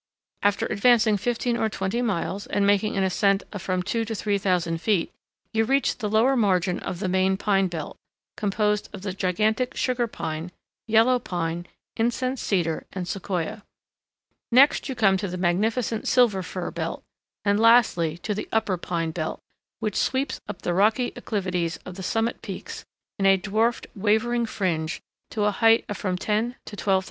After advancing fifteen or twenty miles, and making an ascent of from two to three thousand feet, you reach the lower margin of the main pine belt, composed of the gigantic Sugar Pine, Yellow Pine, Incense Cedar, and Sequoia. Next you come to the magnificent Silver Fir belt, and lastly to the upper pine belt, which sweeps up the rocky acclivities of the summit peaks in a dwarfed, wavering fringe to a height of from ten to twelve thousand feet.